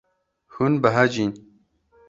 Hûn behecîn.